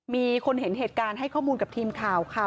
มีคนเห็นเหตุการณ์ให้ข้อมูลกับทีมข่าวค่ะ